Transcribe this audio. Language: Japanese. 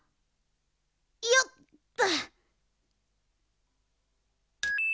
いよっと！